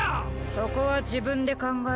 そこは自分で考えろ。